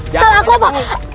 salah aku apa